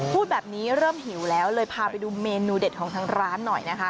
พูดแบบนี้เริ่มหิวแล้วเลยพาไปดูเมนูเด็ดของทางร้านหน่อยนะคะ